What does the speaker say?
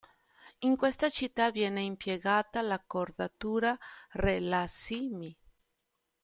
In questa città viene impiegata l'accordatura re-la-si-mi.